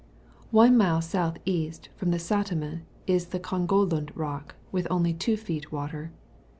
One mile S.£. from the Satima is the Kongolud Rock, with only 2 feet water.